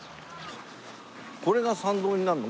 これが参道になるの？